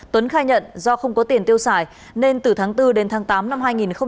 tuấn khai nhận do không có tiền tiêu xài nên từ tháng bốn đến tháng tám năm hai nghìn hai mươi